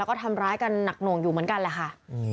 ก็ทำร้ายกันหนักหน่วงอยู่เหมือนกันแหละค่ะ